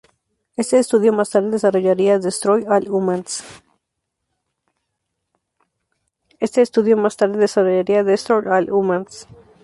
Este estudio más tarde desarrollaría "Destroy All Humans!".